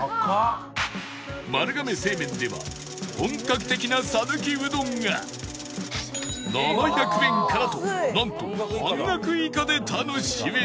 丸亀製麺では本格的な讃岐うどんが７００円からとなんと半額以下で楽しめる